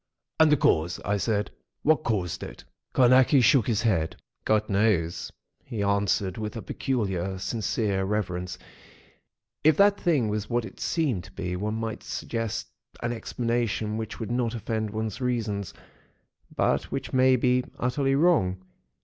"And the cause?" I said. "What caused it?" Carnacki shook his head. "God knows," he answered, with a peculiar sincere reverence. "IF that thing was what it seemed to be, one might suggest an explanation, which would not offend one's reason, but which may be utterly wrong.